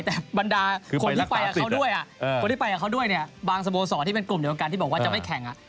แต่บรรดาคนที่ไปกับเขาด้วยบางสโบสอที่เป็นกลุ่มเดียวกันที่บอกว่าจะไม่แข่ง